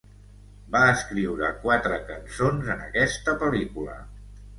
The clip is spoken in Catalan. Va escriure quatre cançons en aquesta pel·lícula.